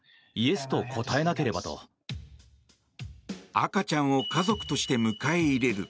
赤ちゃんを家族として迎え入れる。